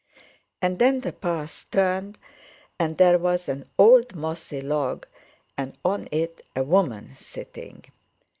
And then the path turned, and there was an old mossy log, and on it a woman sitting.